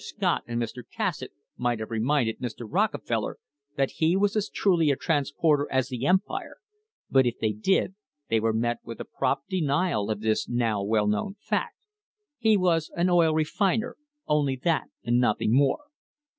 Scott and Mr. Cassatt THE HISTORY OF THE STANDARD OIL COMPANY might have reminded Mr. Rockefeller that he was as truly a transporter as the Empire, but if they did they were met with a prompt denial of this now well known fact. He was an oil refiner — only that and nothing more.